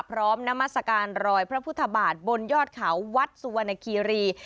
นามัศกาลรอยพระพุทธบาทบนยอดเขาวัดสุวรรณคีรี